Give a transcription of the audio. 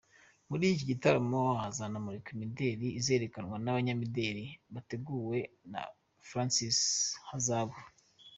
Muri iki gitaramo hazanamurikwa imideli izerekanwa n’abanyamideli bateguwe na Francis Zahabu.